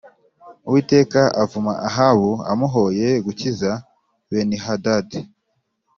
Uwiteka avuma Ahabu amuhoye gukiza Benihadadi